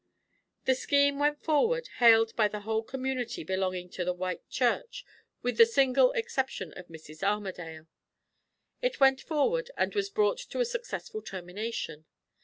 The scheme went forward, hailed by the whole community belonging to the white church, with the single exception of Mrs. Armadale. It went forward and was brought to a successful termination.